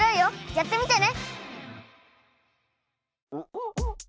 やってみてね！